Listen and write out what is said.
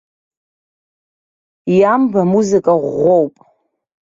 Иамб амузыка ӷәӷәоуп.